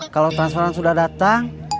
kalau transferan sudah datang